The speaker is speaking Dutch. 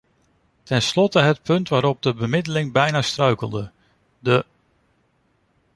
Ten slotte het punt waarop de bemiddeling bijna struikelde, de .